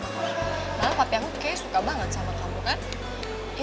malah tapi aku kayaknya suka banget sama kamu kan